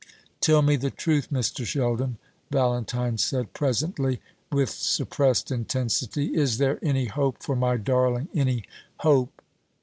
"Tell me the truth, Mr. Sheldon," Valentine said presently, with suppressed intensity. "Is there any hope for my darling, any hope?"